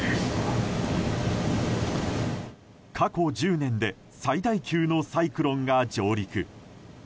過去１０年で最大級のサイクロンが上陸。